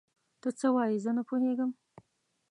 ته څه وايې؟ زه نه پوهيږم.